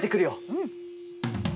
うん。